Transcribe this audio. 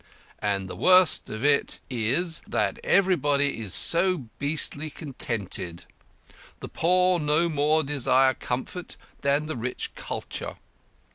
And the worst of it is that everybody is so beastly contented. The poor no more desire comfort than the rich culture.